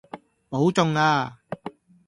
保重呀